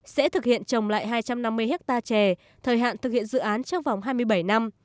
sẽ thực hiện trồng lại hai trăm năm mươi hectare chè thời hạn thực hiện dự án trong vòng hai mươi bảy năm